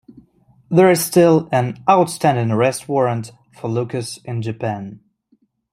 There is still an outstanding arrest warrant for Lucas in Japan.